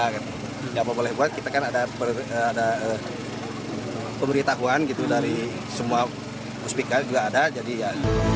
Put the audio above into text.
gak apa apa boleh buat kita kan ada pemberitahuan dari semua musbika juga ada